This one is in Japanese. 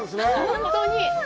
本当に。